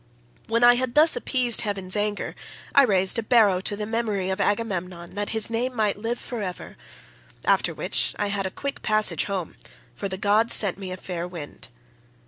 When I had thus appeased heaven's anger, I raised a barrow to the memory of Agamemnon that his name might live for ever, after which I had a quick passage home, for the gods sent me a fair wind.